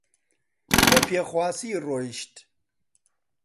بە پێخواسی ڕۆیشت